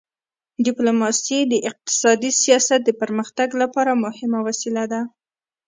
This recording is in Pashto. ډیپلوماسي د اقتصادي سیاست د پرمختګ لپاره مهمه وسیله ده.